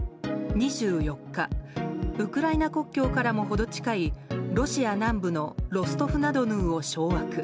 ２４日ウクライナ国境からも程近いロシア南部のロストフナドヌーを掌握。